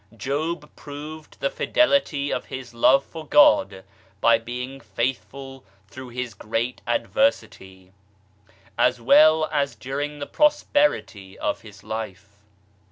Job proved the fidelity of his love for God by being faithful through his great adversity, as well as during the prosperity of his life.